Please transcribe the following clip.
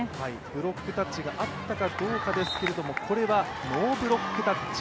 ブロックタッチがあったかどうかですが、これはノーブロックタッチ。